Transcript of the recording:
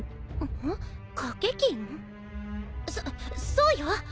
そそうよ！